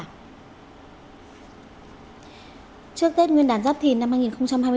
trước tết nguyên đán giáp thìn năm hai nghìn hai mươi bốn